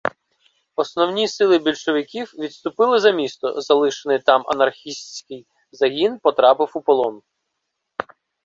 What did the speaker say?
Основні сили більшовиків відступили за місто, залишений там анархістський загін потрапив у полон.